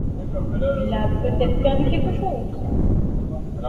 Il a peut-être perdu quelque chose ?